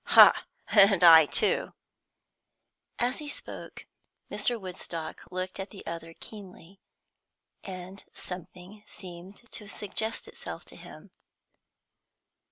"Ha! And I too." As he spoke Mr. Woodstock looked at the other keenly, and something seemed to suggest itself to him.